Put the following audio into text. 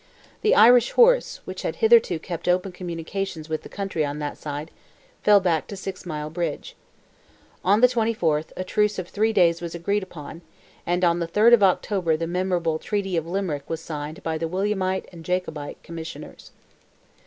The Irish horse, which had hitherto kept open communications with the country on that side, fell back to Six Mile Bridge. On the 24th, a truce of three days was agreed upon, and on the 3rd of October the memorable "Treaty of Limerick" was signed by the Williamite and Jacobite commissioners.